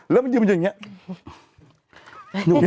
แล้วมันยืมแบบอย่างนี้